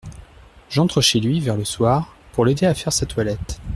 J’entre chez lui, vers le soir, pour l’aider à faire sa toilette.